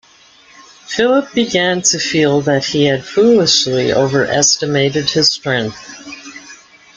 Philip began to feel that he had foolishly overestimated his strength.